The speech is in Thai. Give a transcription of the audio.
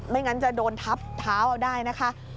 ไม่งั้นจะโดนทับเท้าเอาได้นะคะ